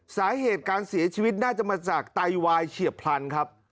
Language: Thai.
สาเหตุการเสียชีวิตน่าจะมาจากไตวายเฉียบพลันครับ